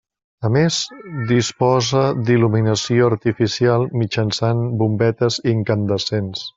A més, disposa d'il·luminació artificial mitjançant bombetes incandescents.